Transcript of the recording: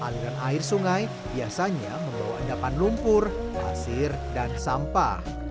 aliran air sungai biasanya membawa endapan lumpur pasir dan sampah